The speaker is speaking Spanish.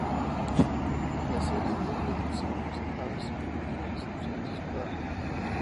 La serie de reediciones ha recibido una recepción dispar.